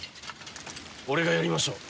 俺がやりましょう。